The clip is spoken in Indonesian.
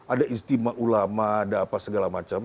ada istimewa ulama ada apa segala macam